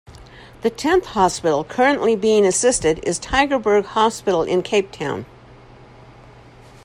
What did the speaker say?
The tenth hospital currently being assisted is Tygerberg Hospital in Cape Town.